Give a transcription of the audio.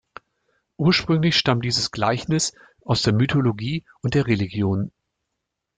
Ursprünglich stammt dieses Gleichnis aus der Mythologie und der Religion.